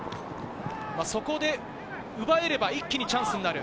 そこで奪えれば一気にチャンスになる。